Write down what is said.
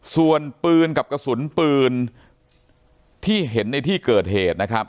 ส่วนปืนกับกระสุนปืนที่เห็นในที่เกิดเหตุนะครับ